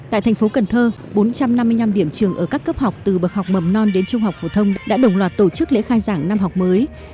tại thành phố cần thơ bốn trăm năm mươi năm điểm trường ở các cấp học từ bậc học mầm non đến trung học phổ thông đã đồng loạt tổ chức lễ khai giảng năm học mới